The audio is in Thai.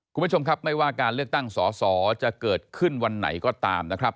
คุณผู้ชมครับไม่ว่าการเลือกตั้งสอสอจะเกิดขึ้นวันไหนก็ตามนะครับ